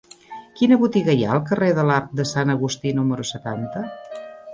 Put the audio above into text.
Quina botiga hi ha al carrer de l'Arc de Sant Agustí número setanta?